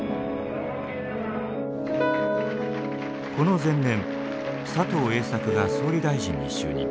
この前年佐藤栄作が総理大臣に就任。